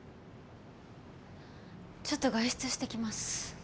ちょっと外出してきます。